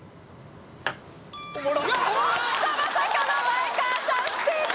おっとまさかの前川さん不正解